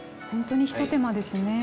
ほんとに一手間ですね。